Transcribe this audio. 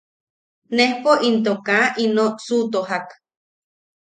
Nejpo into kaa ino suʼutojak.